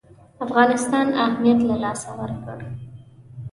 افغانستان اهمیت له لاسه ورکړ.